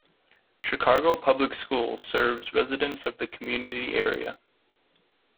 Chicago Public Schools serves residents of the community area.